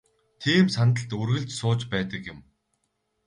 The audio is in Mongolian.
Тийм сандалд үргэлж сууж байдаг юм.